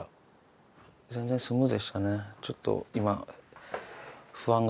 ちょっと今。